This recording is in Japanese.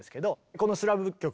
この「スラブ舞曲」